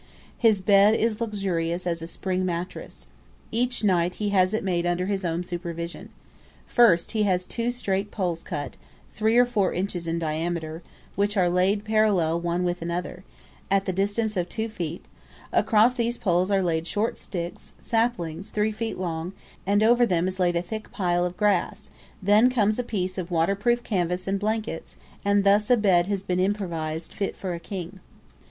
His bed is luxurious as a spring mattress. Each night he has it made under his own supervision. First, he has two straight poles cut, three or four inches in diameter; which are laid parallel one with another, at the distance of two feet; across these poles are laid short sticks, saplings, three feet long, and over them is laid a thick pile of grass; then comes a piece of waterproof canvas and blankets and thus a bed has been improvised fit for a king.